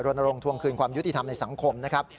ลงทวงคืนความยุติธรรมในสังคมนะครับ